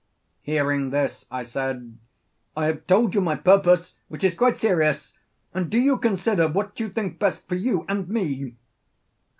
Hearing this, I said: 'I have told you my purpose, which is quite serious, and do you consider what you think best for you and me.'